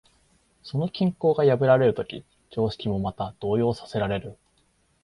その均衡が破られるとき、常識もまた動揺させられる。